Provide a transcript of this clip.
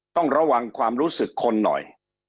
ต้องระวังความรู้สึกคนหน่อย